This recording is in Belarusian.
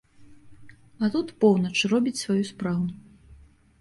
А тут поўнач робіць сваю справу.